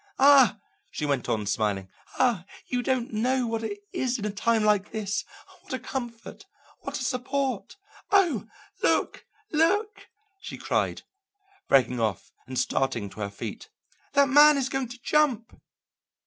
Ah," she went on, smiling, "ah, you don't know what it is in a time like this! What a comfort! What a support! Oh, look, look!" she cried, breaking off and starting to her feet. "That man is going to jump!"